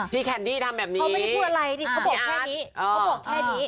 พี่แคนดี้ทำแบบนี้เขาไม่ได้พูดอะไรเขาบอกแค่นี้